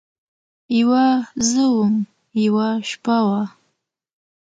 یوه زه وم، یوه شپه وه